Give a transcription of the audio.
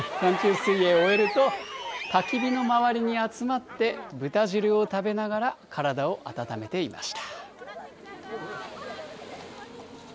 水泳を終えると、たき火の周りに集まって、豚汁を食べながら体を温めていました。